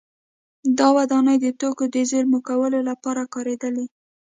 دا ودانۍ د توکو د زېرمه کولو لپاره کارېدلې